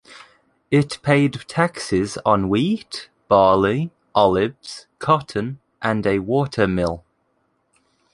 It paid taxes on wheat, barley, olives, cotton, and a water mill.